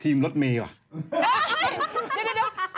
ทีมรถเมย์หรอ